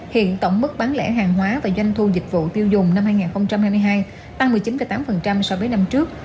hiện tổng mức bán lẻ hàng hóa và doanh thu dịch vụ tiêu dùng năm hai nghìn hai mươi hai tăng một mươi chín tám so với năm trước